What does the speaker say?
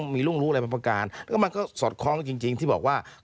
มีร่วงรู้อะไรมาประการ